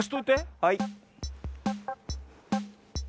はい。